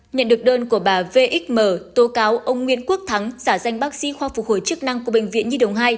nhận được đơn của bà vxm tố cáo ông nguyễn quốc thắng giả danh bác sĩ khoa phục hồi chức năng của bệnh viện nhi đồng hai